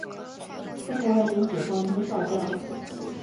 中国人民解放军少将。